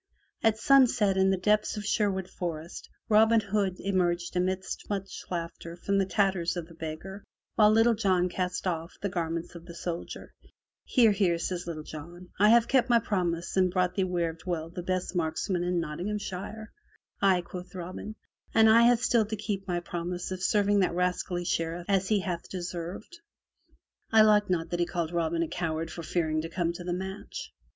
At sunset in the depths of Sherwood Forest, Robin Hood emerged amidst much laugher from the tatters of the beggar, while Little John cast off the garments of the soldier. 57 MY BOOK HOUSE "Now, now," says Little John, "I have kept my promise and brought thee where dwell the best marksmen in Nottinghamshire/* Aye," quoth Robin, "but I have still to keep my promise of serving that rascally Sheriff as he hath deserved. I like not that he called Robin a coward for fearing to come to the match!''